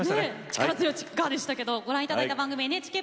力強い「ガッ」でしたけどご覧いただいた番組ＮＨＫ